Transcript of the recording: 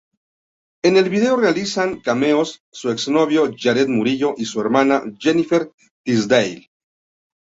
En el video realizan cameos su ex-novio Jared Murillo y su hermana Jennifer Tisdale.